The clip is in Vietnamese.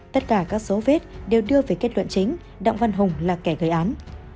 tất cả các số vết đều đưa về kết luận chính đặng văn hùng là kẻ gây án